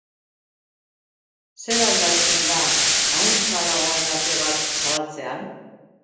Zer aldatzen da ahuntza dagoen ate bat zabaltzean?